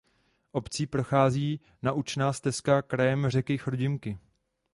Obcí prochází naučná stezka „"Krajem řeky Chrudimky"“.